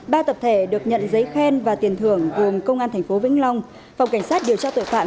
ba tập thể được nhận giấy khen và tiền thưởng gồm công an tp vĩnh long phòng cảnh sát điều tra tội phạm